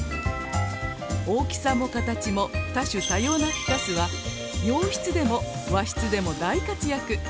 大きさも形も多種多様なフィカスは洋室でも和室でも大活躍。